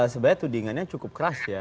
sebenarnya tudingannya cukup keras ya